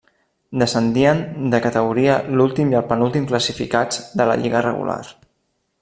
Descendien de categoria l'últim i el penúltim classificats de la lliga regular.